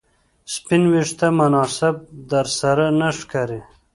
سپین ویښته مناسب درسره نه ښکاري